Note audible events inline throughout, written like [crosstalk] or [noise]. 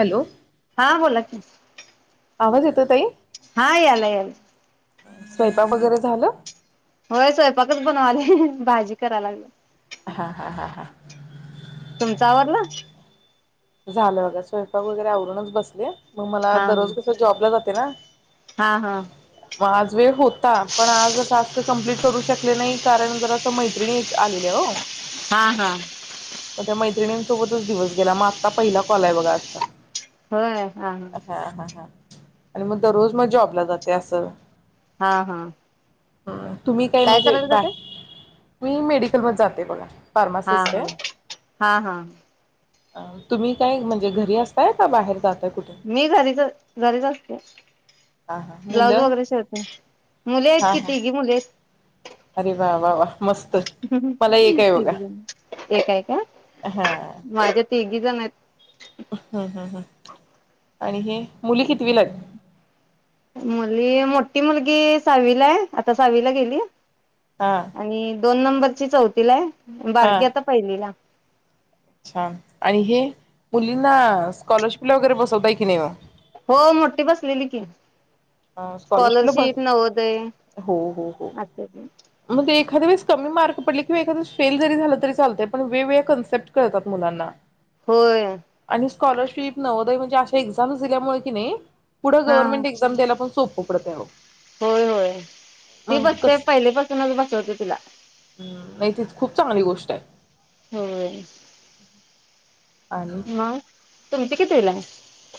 Hello हं बोला की आवाज येतोय ताई? हा यायला यायला. स्वयंपाक वगैरे झालं? होय स्वयंपाकच बनवालेय भाजी कराय लागलेय. हं हं हं हं तुमचं आवरल? झालं बघा स्वयंपाक वगैरे आवरूनच बसलेय. म् मला हा दररोज कसं जॉबला जाते ना हा हा मग आज वेळ होता पण आज टास्क कम्प्लीट करू शकले नाही कारण जर मैत्रिणी आलेल्या हो हा हा त्याैतिंसोबतच दिस गेला म आता पहिला कॉल आहे बघा आजचा होय हा हा ह हा हा आणि मग दररोज मग जॉबला जाते असं हा हा हा तुम्ही काय म्हणजे करायला बाय जाते मी मेडिकल मध्ये जाते बघा हा फार्मासिस्ट हा हा हा अ तुम्ही काय म्हणजे घरी असताय का बाहेर जात मी घरीच घरीच असते हा हा ब्लाऊज मुलं वगैरे शिरते मुले आहेत हा हा किती गी मुले आहेत अरे वा वा वा मस्त मला एक आहे बघा तघजण एक काय का माझ्या तिघी जण आहेत हम्म हम् हम् आणि हे मुली कितवी लागली मुली मोठी मुलगी सावीला आहे आता सावीला गेली हा आणि दोन नंबरची चौथीला आहे बारकीे आता पहिलीला अच्छा आणि हे मुलींना स्कॉलरशिपला वगैरे बसवताय की नाही हो मोठी बसलेली की मग स्कॉलरशिपला बस स्कॉलरशिप नव देय अच्छा एखाद्याेळेस कमी मार्क पडले किंवा एखद्याेळे फे जरी झालं त चालय पण वेगळे कन्सेप्टळतात मुलांना होय आणि स्कॉलरशिप नव्हदय म्हणजे अशा एक्झाम दिल्यामुळे कि नाही पुढे हा हा गवर्मंटक्झाम्याला होय होय ती मग बसते कसं पहिले पाासूनच बसवते तिला नाही तीच खूप चांगली गोष्ट आहे होम आणि तुमची किव्हीला आहे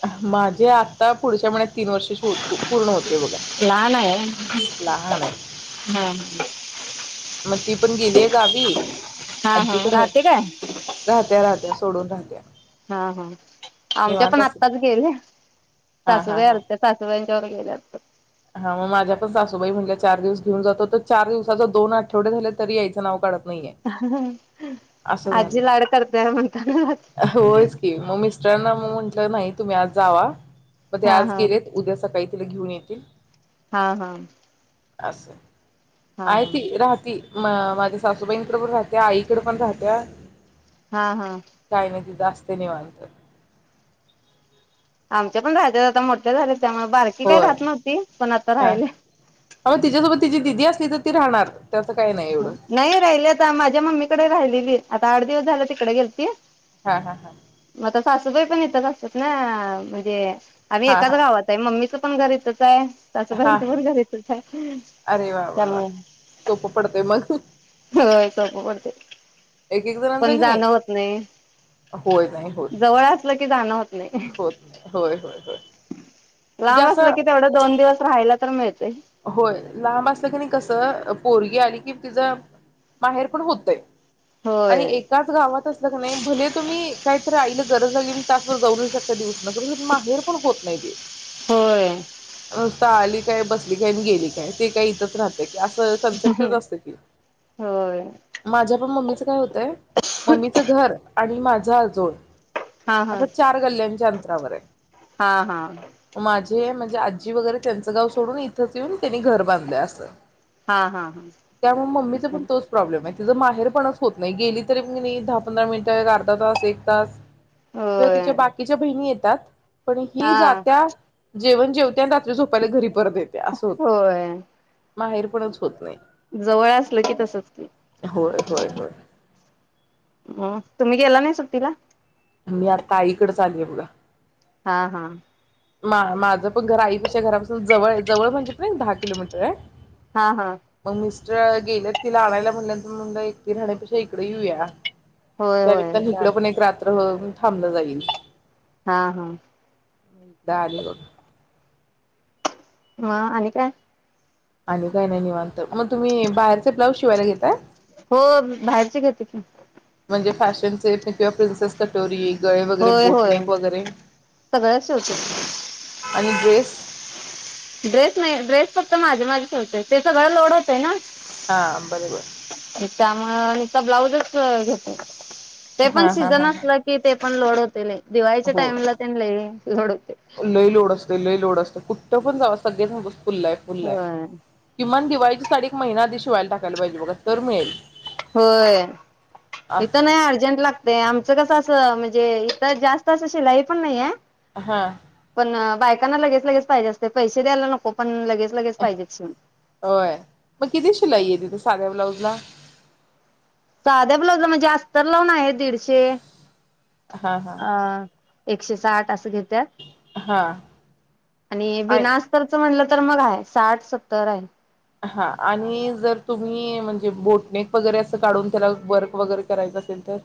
माझे आता पुढच्या म्ह तीन वर्षाची हो पूर्ण होते बघा लहान आहे. लहान आहे हा मग ती पण गेलीय गावीी हा हा आजी कड राहते काय राहत्या राहत्या सोडून राहत्या! हा हा आमच्या निवांत पण असते आत्ताच ती गेल्या! हा हा सासूबाई हा आलत्या सासूबाई त्यावर गेल्या असत्यात हा म माझ्या पण सासूबाई म्हणल्या चार दिवस घेऊन जातो तर चार दिवसाच दोन आठवडे झाले तरी यायचं नाव काढत आत्ताच अस झालय आजी लाड करत्या म्हणताना होयच की मग मिस्टरांना म म्हंटलं नाही तुम्ही आज जावा मग ते हा आज हा गेलेत! उद्या सकाळी तिला घेऊन येतील हा हा असय हा हा आहे ती राहती! म माझ्या सासूबाईंकडे पण राहत्या आईकडे पण राहत्या हा हा काही नाही तिथं असत! ते निवांत आमच्या पण राज्यात आता मोठ्या झाल्यात त्यामुळे बारकी काय होय राहत नव्हती! पण आता हा राहिली! तिथ ती राहणार! त्याचं काही नाही एवढं नाही राहिले आता माझ्या मम्मीकडे राहिलेलीये आता आठ दिवस झाल तिकडे गेलती! हा हा हा मग आता सासूबाई पण इथंच असतात ना! म्हणजे आम्ही हा एकाच हा गावात आहे! मम्मी पण घरीचच आहे! हा हा सासूबाईच बरं झालय येतच अरे वा वा वा त्यामुळे सोपं [inaudible] हो सोप पडतय! एक एक जणांच पण की नाही जाणं होत नाही! होय नाही होत जवळ असलं की जाणं होत नाही होत नाही होय होय होय म्हणजे लांब असलं असं कि तेवढं दोन दिवस राहायला तर मिळत होय लांब असलं की नाही कसं पोरगी आली कि तिचं माहेर पण होतंय! होय आणि एकाच गावात असल क नाही! भले तुम्ही काहीतरी आईला गरज आली तास शकते दिवसा नगर माहेर पण होत नाही ते! होय नुसत आली काय बस गेली काय ते काय इथच राहते असं कन्सेप्टच असत की, होय माझ्या पण मम्मीच काय होतय, मम्मीचं घर आणि माझं आजोळ हा हा आता चार गल्ल्यांच्या अंतरावर आहे. हा हा माझ्या जे म्हणजे, आजी वगैरे त्यांचं गाव सोडून इथं इथंचं येऊन त्यांनी घर बांधलयं. असं हा हा हा त्यामुळे मम्मीचा पण तोच प्रॉब्लेम आहे. तिचं माहेरपणच होत नाही. गेली तरी म दहा पंधरा मिनिटं अर्धा तास एक तास किंवा होय तिच्या बाकीच्या बहिणी येत तात. पण ही हा जातीया. जेवण जेवत्यात. रात्री झोपायला घरी परतत येत होय माहेरपणच होत नाही. जवळ असल की तसच ते होय होय होय. हम् तुम्ही गेला नाही सु्टला मी आता आईकडेचं आलीया बघा. हा हा मा माझं पण घर आईपक्षा घरापासून जवळ आहे. जवळ म्हणजे पण एक दहा किलोमीटर आहे. हा हा आज गेल्यात तिला आणायला, म्हटल्यानंतर म्हणलं एकटी राहण्यापेक्षा इकडे येऊया. होय होय त्यानिमित्ताने इकडं पण चालेल एक रात्र हो थाबलं लगीनं हा हा [inaudible] ह आणि काय आणि काय नाही, निवांत मग तुम्ही बाहिरचे ब्लाऊज शिवायला घेताय. हो बाहेरची घेते की, म्हणजे फॅशनचे किंवा प्रिन्सेस कटोरी, गळे वगैरे होय होय बोटनेक वगैरे सगळचं शिवतोय. आणि ड्रेस ड्रेस नाही ड्रेस फक्त माझे माझे शिवतोय. ते सगळं लोड होतय ना, हा बरोबर त्यामुळं नुसता ब्लाऊजच घेतो. ते पण हा हा सिझन हा हा असलं की ते ते पण लोड होतय लय. दिवाळीच्या हो टाइमला तेन लय लोड होतय. लय लोड असतोय लय लोड असत. कुठं पण जाव सगळे सांग फुल्ल हाय, फुल्ल हाय, होय किमान दिवाळीत साडी एक महिना आधी शिवायला टाकायला पाहिजे बघा, तर मिळेल. होय, इथं असं नाय, अर्जंट लागतंया. तर कसं असं म्हणजे, इथं जास्त असं शिलाई पण नाही हाय. हां हं बायकांना लगेच लगेच द्यायला पाहिजे असतं. पैसे द्यायला नको, पण लगेच लगेच पाहिजेत शिवून होय, मग किती शिलाई आहे, तिथे साध्या ब्लाऊजला. साधे ब्लाऊज म्हणजे अस्तर लावून आहेत. दिडशे, हा हा अं एकशे साठ असं घेत त्यात हा आणि बिनाअस्तरचं म्हणलं तर मग हाय, साठ सत्तर हाय. हां आणि जर तुम्ही म्हणजे बोट नेक वगैरे असं काढून त्याला वर्क वगैरे करायचं असेल तर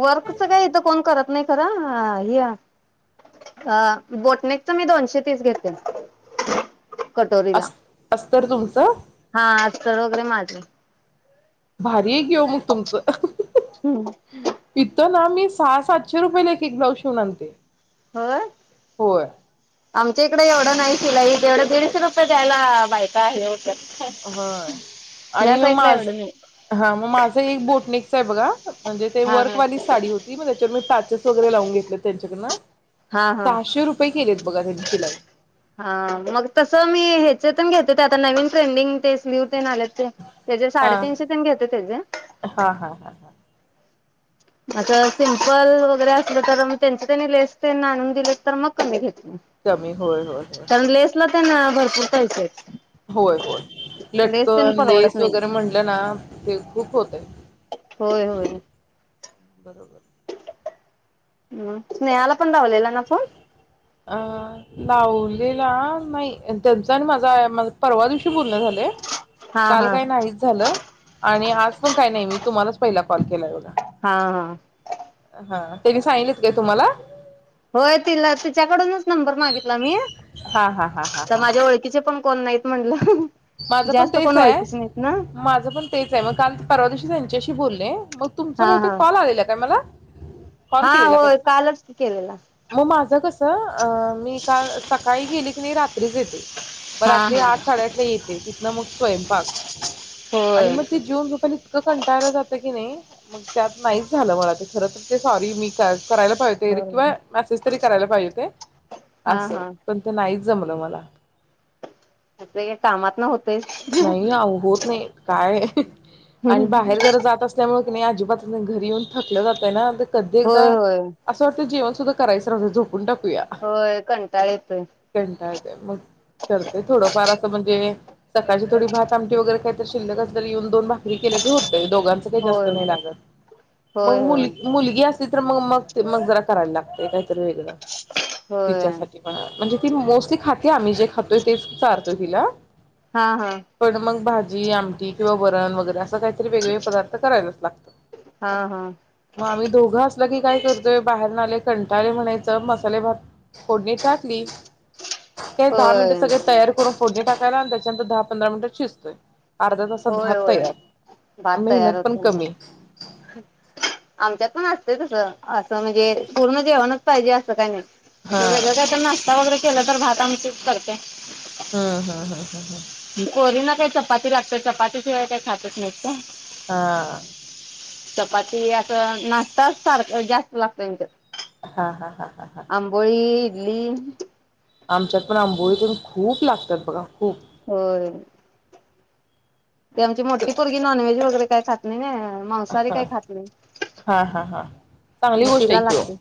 वर्कचं काय इथं कोण करत नाही खरं, ह्या अं बोटनेकचं मी दोनशे तीस घेते. कटोरीला, अस अस्तर तुमचं हां आज [inaudible] माझी. भारी हाय की घेऊ मग तुमचं, इथ ना मी सहा सातशे रुपयाला एक एक ब्लाउज शिवून आणते. होय, होय आमच्या इथे इकडे एवढं नाही शिलाई तेवढं दीडशे रुपये द्यायला बायका हे होत व्हय आणि ह्यो साईडला माझं, एवढं नाही. हां मग माझं एक बोटनी ते बघा म्हणजे ते हा हा. वर्कवाली साडी होती, मग त्याच्यामुळे सात तसं वगैरे लावून घेतलं त्यांच्याकडंन हां हां, शिलाई हां मग तसं मी ह्याचेतून घेत ते आता नवीन ट्रेंडिंग तेच न्यू ते नाल्याचे, त्याचे हा साडेतीनशे त्याने घेतले त्याचे हा हा हा हा असं सिम्पल वगैरे असलं तर मग, त्यांचं त्यांनी लेस त्यांनी आणून दिले तर मग कमी घेत कमी होय होय होय भरटरतायस होय होय लटकन परवडत लेस नाही. वगैरे म्हटलं ना ते खूप होतय होय होय. बरोबर हम् स्नेहाला पण लावलेला ना फोन अ लावलेला नाही त्यांचा आणि माझा परवा दिवशी पूर्ण झाले हा काल हा. काही नाही झालं आणि आज पण काय नाही मी तुम्हालाच पहिला कॉल केलाय बगा. हा हा. हा त्यांनी सांगितले - - तुम्हाला होय तिला तिच्याकडूनच नंबर मागितला मी. हा हा हा हा तर हा ह माझ्या ओळखीचे पण कोण नाहीत म्हणलं. माझं पण जास्त तेच कोण आहे ओळखीच नाहीत ना माझं पण तेच आहे मग काल परवा दिशीच - - हेच्याशी बोलले. मग तुमचा हा बहुते हा कॉल आलेला काय मला? कॉल हा केलेला का होय तुम्ही कालच की केलेला. मग [unintelligible] अ मी का सकाळी गेली की नाही रात्रीच येते. ते म हा रात्री हा आठ साडेआठ - - तिथनं मग स्वयंपाक आणि होय मग ते जेवन झोपायला इतकं कंटायला जातं की नाही. मग त्यात नाहीच झालं मला ते खर तर ते सॉरी मी काल - - करायला पाहिजे ते किंवा मेसेज तरी करायला पाहिजे होते. हा अस हा पण ते नाहीच. जमलं मला. असं हेकामात न होत - - नाही होत नाही काय आणि बाहेर जरा जात असल्यामुळे - - नाही अजिबातून घरी येऊन थकलं जातंय ना. कधी होय एकया होय असं वाटतं जीव करायच राहूदे झोपून टा - - कुया होय कंटाळ येतोय कंटाळते मग करते थोडफार अस [unintelligible] सकाळची थोडी भात आमटी वगैरेही तर शिलक असला की येऊन दोन भाकरी केल्या की होत. दोघांच काय जास्त होय. नाही लागत. म होय होय मुल मुलगी असते चित्र मग मग ते मग जरा करायला लागते का वेगळ होय तिच्यासाठी पणा म्हणजे ती मोस्टली खाते आम्ही जे खातोय तेच चारतोय तिला. हा हा पण मग भाज - - जी, आमटी किंवा वरण वगैरे अस - - वेग प् करा लागतग हा हा आम्ही दोघ की काय करतोय बाहेर नाले कंटाले म्हणायच मसाले भात फोडणी टाकली काही दहा मिनिटं होय. सगळे तयार करून फोडणी टाकायलांत दहा पंधरा मिनटात शिजतोय तासात होय भात होय तयार भात मेहनत तयार पण होते कमी आमच्यातून तस असं म्हणजे पूर्ण जेवणच पाहिजे असं का नाही आप हा जर काय त्यांना असता वगैरे केलं तर भात आम चूज करते हम्म हम हम हम हम कोरीना काही चपाती लागते चपातीशिवाय काही खातच नाहीत हा चपाती असं नाश्ताच सारखं जास्त लागतं त्यांच्या हा हा हा हा आंबोळी दिली आमच्यात पण आंबोळीतून खूप लागत तर बघा खूप हो ते आमची मोठी मुलगी नॉनवे्ज वगे काय खात नाही मांसाहारी ह काही खात नाही. हा हा हा चांगली मग गोष्ट तिला ऐक लागते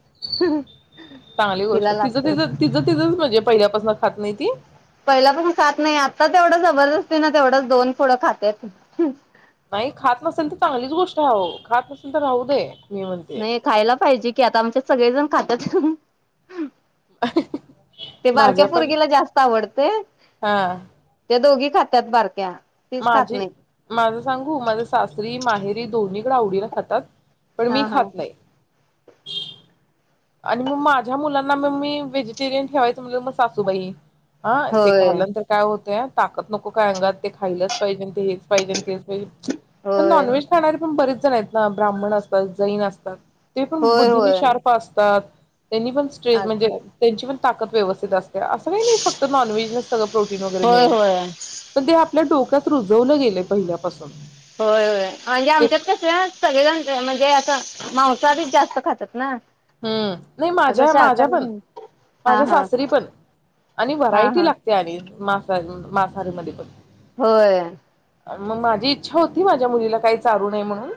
चांगली गोष्ट तिला आहे लागते. ति तिचं ति म्हणजे पहिल्यापासून हात नाहीती पहिला पण खात नाही आता तेवढं जबरदस्ती ना तेवढंच दोन फुडं खातेत नाही खात नसेल तर चांगलीच गोष्ट आहे हो खात नसे नाही खायला पाहिजे कि आता आमच्या सगळेजण खात तथ ते बारक्या माझ्या पण फुर्गीला जास्त आवडते हा त्या दोघी खट्यात बरक्या माझे माझं सांगू माझ शास्री माहेरी दोन्हीकडे आवडीला खातात पण मी हा हा खात नाहीय आणि मग माझ्या मुलांना मग मी व्हेजिटेरियन ठेवायचं म्हणजे मग सासूबाई ह ते होय कालंनंतर काय होतय ताकत नको काय अंगात ते खायलाच पाहिजे ते हेच पाहिजे तेच पण होय नॉनव्हेज खाणार पण बरेच [unintelligible] ना ब्राह्मण असतात जैन असतात. ते पण होय बुद्धीनी होय शार्प अस् तात. त्यांनी पण स्ट्रेंथ म्हणजे असतात त्यांची पण ताकद व्यवस्थित अस् असं काही नाही फक्त नॉनव्हेजणेच सगळं प्रोटीन वगैरे होय मिळेल. होय पण ते आपल्या डोक्यात रुजवलं गेलय पहिल्यापासून होय होय म्हंजे ते आमच्यात कस सगळेजण म्हणजे असं मांसाहारीच जास्त खात्यात ना हुं नाई असं माझ्या माझ्या शाकाहारी पण नाही हा माझ्या हा सासरी पण आणि हा व्हरायटी हा लागते आणि मा्ं मासाहारीमध्ये पण होय. मंग माझी इच्छा होती. माझ्या मुलीला काय चारू नये म्हणून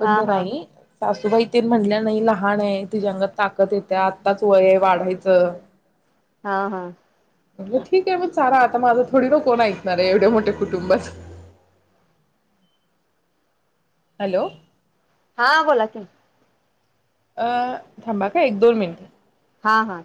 पण हा तो हा नाही सासूबाई तेन म्हणल्या नाही लहानये. तिच्या अंगात ताकत येतीया आत्ताच वय वाढायचं हा हा म्हणलं ठीक आहे म चारा आता माझं थोडी न कोण ऐकणारये एवढ्या मोठ्या कुटुंबात हॅलो हा बोला की, अं थांबा हा काय एक दोन मिनिटं हां हां